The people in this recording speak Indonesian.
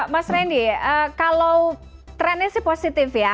mas randy kalau trennya sih positif ya